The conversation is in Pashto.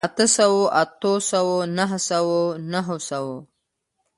اته سوو، اتو سوو، نهه سوو، نهو سوو